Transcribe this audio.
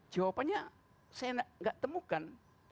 jawabannya saya tidak temukan